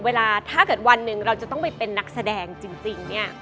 เวลาถ้าเกิดวันหนึ่งเราจะต้องไปเป็นนักแสดงจริงเนี่ย